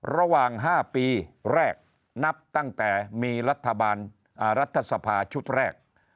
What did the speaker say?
ระหว่าง๕ปีแรกนับตั้งแต่มีรัฐบาลรัฐสภาชุดแรก